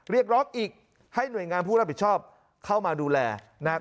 เรียกร้องอีกให้หน่วยงานผู้รับผิดชอบเข้ามาดูแลนะครับ